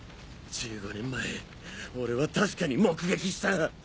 １５年前俺は確かに目撃した。